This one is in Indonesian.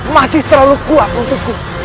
masih terlalu kuat untukku